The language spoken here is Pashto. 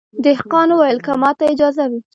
دهقان وویل که ماته اجازه وي